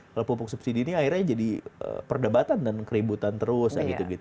kalau pupuk subsidi ini akhirnya jadi perdebatan dan keributan terus